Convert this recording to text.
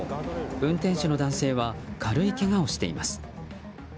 運転手の男性は軽いけがをしています。